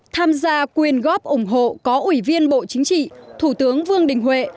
tham gia quyên góp ủng hộ có ủy viên bộ chính trị thủ tướng vương đình huệ